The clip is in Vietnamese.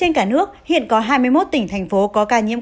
cả nước hiện có hai mươi một tỉnh thành phố có ca nhiễm